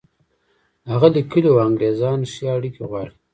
هغه لیکلي وو انګرېزان ښې اړیکې غواړي.